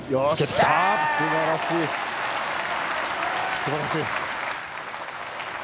すばらしい。